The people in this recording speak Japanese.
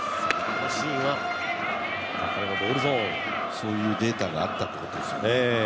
そういうデータがあったっていうことですよね。